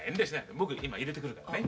僕今いれてくるからね。